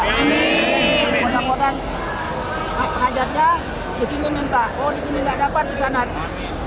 jadi ini moda moda hajatnya disini minta oh disini tidak dapat disana tidak dapat